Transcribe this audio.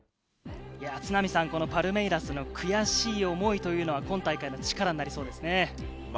このパルメイラスの悔しい思いというのは今大会の力になりそうですね。